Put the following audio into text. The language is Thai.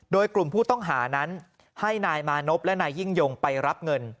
โดยกลุ่มผู้ต้องหานั้นให้นายมานพและนายยิ่งยงไปรับเงิน